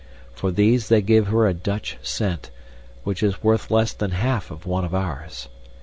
For these they give her a Dutch cent, which is worth less than half of one of ours.